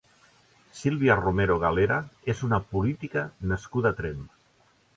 Sílvia Romero Galera és una política nascuda a Tremp.